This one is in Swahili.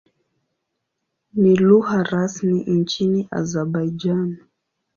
Ni lugha rasmi nchini Azerbaijan.